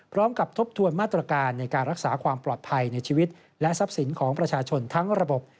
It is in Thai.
ทบทวนมาตรการในการรักษาความปลอดภัยในชีวิตและทรัพย์สินของประชาชนทั้งระบบ